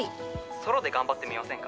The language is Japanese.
ソロで頑張ってみませんか？